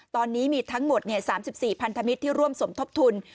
ตอนนี้มีทั้งหมด๓๔พันธมิตรที่ร่วมสมทบทุน